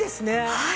はい。